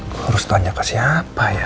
gue harus tanya ke siapa ya